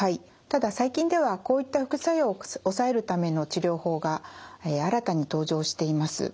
ただ最近ではこういった副作用を抑えるための治療法が新たに登場しています。